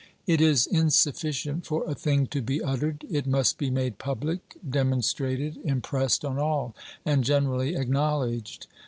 It is insufficient for a thing to be uttered, it must be made public, demonstrated, impressed on all, and generally acknowledged.